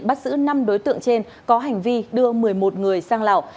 bắt giữ năm đối tượng trên có hành vi đưa một mươi một người sang lào